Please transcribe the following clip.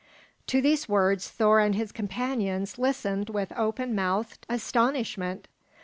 To these words Thor and his companions listened with open mouthed astonishment.